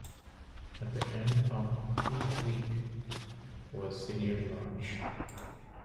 At the end of Crook Week was Senior March.